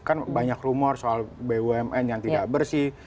kan banyak rumor soal bumn yang tidak bersih